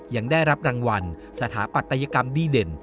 ยังได้รับรางวัลสถาปัตยกรรมดีเด่น